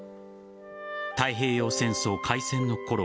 太平洋戦争開戦のころ